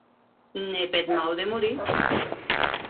Ne peth mau de morir!